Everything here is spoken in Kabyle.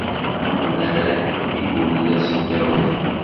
Ameɣlal iggull-as i Dawed.